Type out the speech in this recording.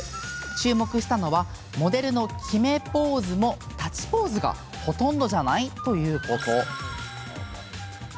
注目したのはモデルの決めポーズも立ちポーズがほとんどじゃない？ということ。